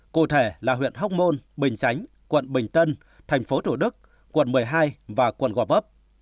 cụ thể là huyện hóc môn bình chánh quận bình tân thành phố thủ đức quận một mươi hai và quận gò vấp